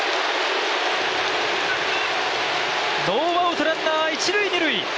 ノーアウトランナー、一・二塁。